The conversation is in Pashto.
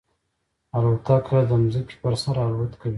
الوتکه د ځمکې پر سر الوت کوي.